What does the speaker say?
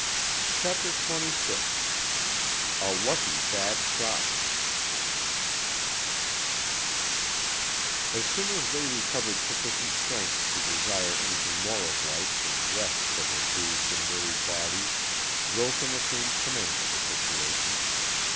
CHAPTER XXVI A Lucky Bad Shot As soon as they recovered sufficient strength to desire anything more of life than rest for their bruised and weary bodies, Wilson assumed command of the situation.